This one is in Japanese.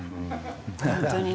本当にね。